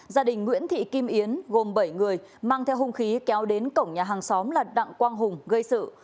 gia đình nguyễn thị kim yến gồm bảy người mang theo hung khí kéo đến cổng nhà hàng xóm là đặng quang hùng gây sự